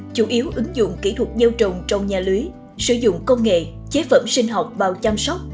chủ yếu ứng dụng kỹ thuật gieo trồng trong nhà lưới sử dụng công nghệ chế phẩm sinh học vào chăm sóc